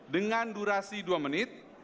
dan durasi dua menit